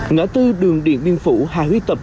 ngã tư đường điện biên phủ hải huy tập